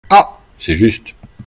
Ah ! c’est juste.